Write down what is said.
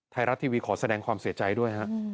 ไทยรัฐทีวีขอแสดงความเสียใจด้วยฮะ